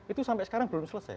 itu sampai sekarang belum selesai